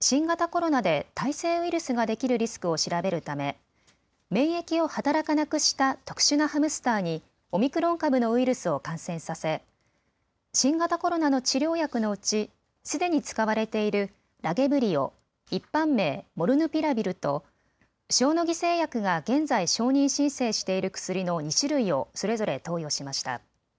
新型コロナで耐性ウイルスができるリスクを調べるため免疫を働かなくした特殊なハムスターにオミクロン株のウイルスを感染させ、新型コロナの治療薬のうちすでに使われているラゲブリオ、一般名、モルヌピラビルと塩野義製薬が現在、承認申請している薬の２種類をそれぞれ投与しました。